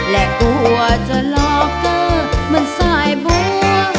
และกลัวจะหลอกเธอมันสายบัว